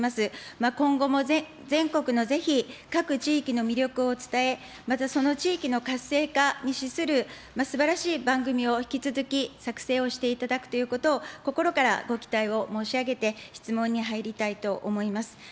今後も全国のぜひ各地域の魅力を伝え、まずその地域の活性化に資するすばらしい番組を引き続き作成をしていただくということを、心からご期待を申し上げて、質問に入りたいと思います。